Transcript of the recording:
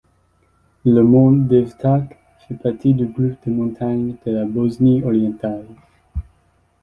Le mont Devetak fait partie du groupe de montagnes de la Bosnie orientale.